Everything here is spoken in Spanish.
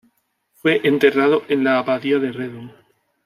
Fue enterrado en la abadía de Redon.